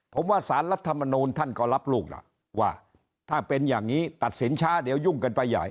ผมว่าสารรัฐมนูลท่านก็รับลูกล่ะว่าถ้าเป็นอย่างนี้ตัดสินช้าเดี๋ยวยุ่งกันไปใหญ่